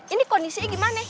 ini kondisinya gimana